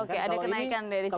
oke ada kenaikan dari sini